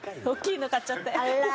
おっきいの買っちゃって。